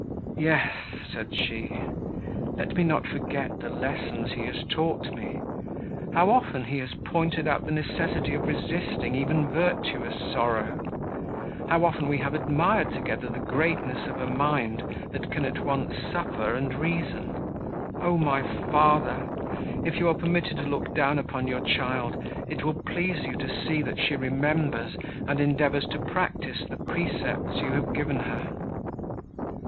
"Yes," said she, "let me not forget the lessons he has taught me! How often he has pointed out the necessity of resisting even virtuous sorrow; how often we have admired together the greatness of a mind, that can at once suffer and reason! O my father! if you are permitted to look down upon your child, it will please you to see, that she remembers, and endeavours to practise, the precepts you have given her."